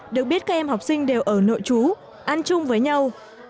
được biết các em học sinh đều ở nội trú ăn chung với nhau